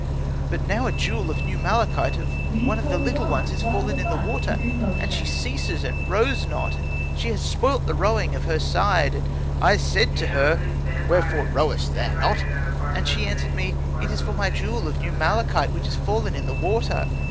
But now a jewel of new malachite of one of the little ones is fallen in the water, and she ceases and rows not, and she has spoilt the rowing of her side. And I said to her, "Wherefore rowest thou not?" and she answered to me, "It is for my jewel of new malachite which is fallen in the water."